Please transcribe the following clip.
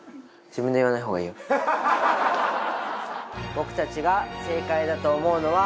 僕たちが正解だと思うのは。